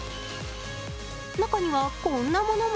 中には、こんなものも。